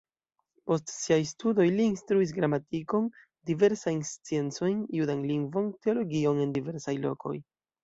Post siaj studoj li instruis gramatikon, diversajn sciencojn, judan lingvon, teologion en diversaj lokoj.